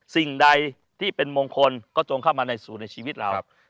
สิ่งใดที่เป็นมงคลก็จงเข้ามาในสู่ในชีวิตเรา